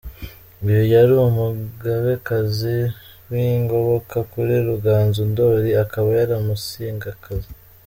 Uyu yari umugabekazi w’ingoboka kuri Ruganzu Ndoli akaba yari umusingakazi.